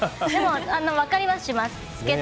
でも、分かりはします。